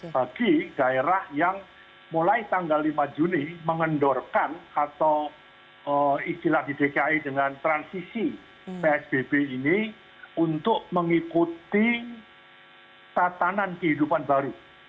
bagi daerah yang mulai tanggal lima juni mengendorkan atau istilah di dki dengan transisi psbb ini untuk mengikuti tatanan kehidupan baru